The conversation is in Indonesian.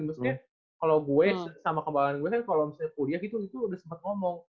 maksudnya kalau gue sama kembang gue kan kalau misalnya kuliah gitu udah sempat ngomong